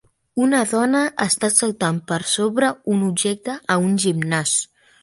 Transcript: Una dona està saltant per sobre un objecte a un gimnàs.